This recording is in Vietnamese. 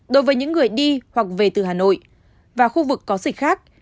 đối với những người đi hoặc về từ hà nội và khu vực có dịch khác